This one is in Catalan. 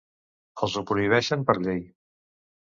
Els ho prohibeixen per llei.